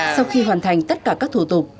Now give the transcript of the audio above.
sau khi hoàn thành tất cả các thủ tục